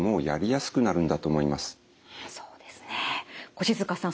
越塚さん。